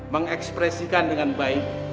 mengekspresikan dengan baik